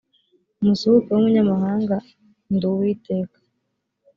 umusuhuke w umunyamahanga ndi uwiteka